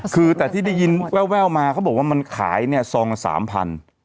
คือแต่ที่ได้ยินแววมาเขาบอกว่ามันขายซองกว่า๓๐๐๐